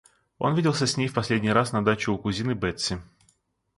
Он виделся с ней в последний раз на даче у кузины Бетси.